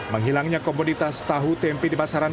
menghilangnya komoditas tahu tempe di pasaran